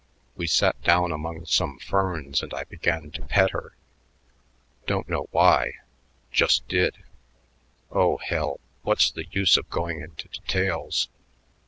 We sat down among some ferns and I began to pet her. Don't know why just did.... Oh, hell! what's the use of going into details?